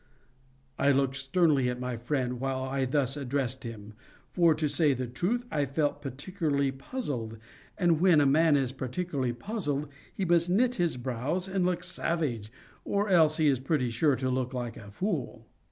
'" I looked sternly at my friend while I thus addressed him; for, to say the truth, I felt particularly puzzled, and when a man is particularly puzzled he must knit his brows and look savage, or else he is pretty sure to look like a fool.